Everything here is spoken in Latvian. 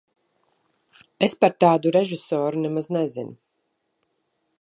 Es par tādu režisoru nemaz nezinu.